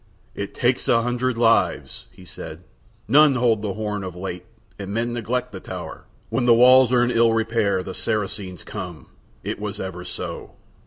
"It takes a hundred lives," he said. "None hold the horn of late and men neglect the tower. When the walls are in ill repair the Saracens come: it was ever so."